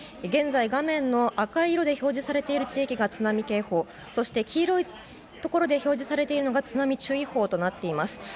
現在、画面の赤い色で表示されている地域が津波警報、そして黄色いところで表示されているのが津波注意報となっています。